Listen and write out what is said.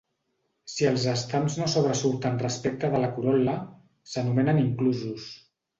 Si els estams no sobresurten respecte de la corol·la, s'anomenen inclusos.